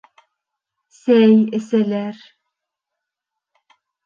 — Сәй әсәләр.